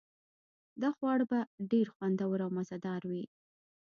دا خواړه به ډیر خوندور او مزه دار وي